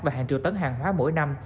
và hàng triệu tấn hàng hóa mỗi năm